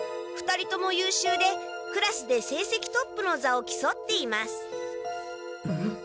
２人とも優秀でクラスで成績トップの座を競っていますん！？